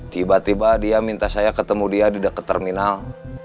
tiba tiba dia minta saya ketemu dia di dekat terminal